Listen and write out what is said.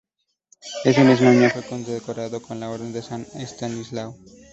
Ese mismo año fue condecorado con la Orden de San Estanislao.